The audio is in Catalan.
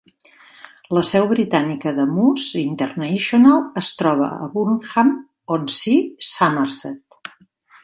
La seu britànica de Moose International es troba a Burnham-on-Sea, Somerset.